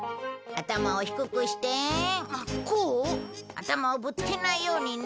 頭をぶつけないようにね。